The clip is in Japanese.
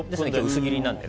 薄切りなので。